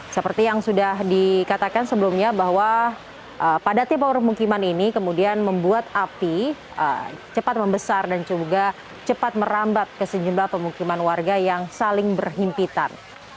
seperti yang sudah dikatakan sebelumnya bahwa padatnya permukiman ini kemudian membuat api cepat membesar dan juga cepat merambat ke sejumlah pemukiman warga yang saling berhimpitan